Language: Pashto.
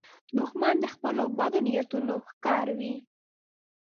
دښمن د خپلو بدو نیتونو ښکار وي